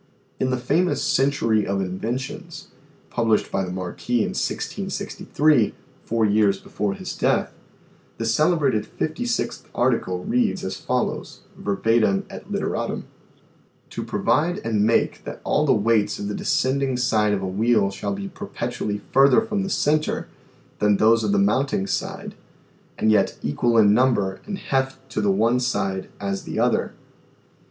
In the famous " Century of Inventions," published by the Marquis in 1663, four years before his death, the cele brated 56th article reads as follows (verbatim et literatim] :" To provide and make that all the Weights of the descend ing side of a Wheel shall be perpetually further from the Centre, then those of the mounting side, and yet equal in number and heft to the one side" as the other.